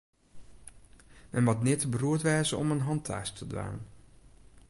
Men moat nea te beroerd wêze om in hantaast te dwaan.